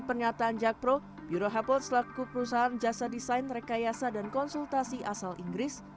pernyataan jakpro bureu hapold selaku perusahaan jasa desain rekayasa dan konsultasi asal inggris